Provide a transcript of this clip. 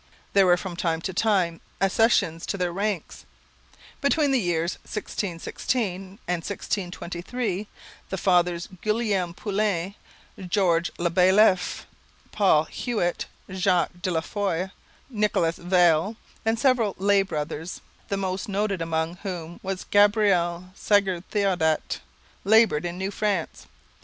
There were from time to time accessions to their ranks. Between the years 1616 and 1623 the fathers Guillaume Poullain, Georges le Baillif, Paul Huet, Jacques de la Foyer, Nicolas Viel, and several lay brothers, the most noted among whom was Gabriel Sagard Theodat, laboured in New France.